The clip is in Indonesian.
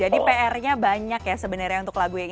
jadi prnya banyak ya sebenarnya untuk lagu yang ini